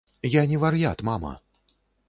Я не вар'ят, мама!